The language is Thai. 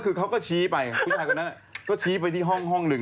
กลัวว่าผมจะต้องไปพูดให้ปากคำกับตำรวจยังไง